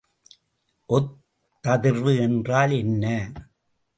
ஒத்ததிர்வு என்றால் என்ன?